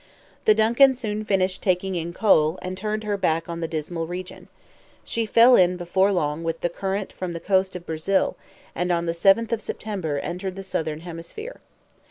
The DUNCAN soon finished taking in coal, and turned her back on the dismal region. She fell in before long with the current from the coast of Brazil, and on the 7th of September entered the Southern hemisphere.